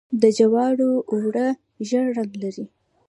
د جوارو اوړه ژیړ رنګ لري.